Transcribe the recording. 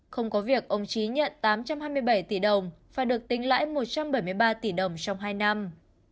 không có việc ông trí nhận tám trăm hai mươi bảy tỷ đồng và được tính lãi một trăm bảy mươi ba tỷ đồng trong hai năm